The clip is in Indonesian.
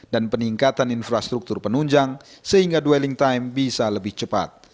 dan peningkatan infrastruktur penunjang sehingga dwelling time bisa lebih cepat